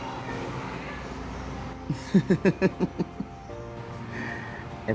kể cả với diễm